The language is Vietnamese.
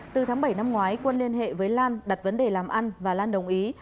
từ tháng bảy năm ngoái quân liên hệ với lan đặt vấn đề làm ăn và lan đồng ý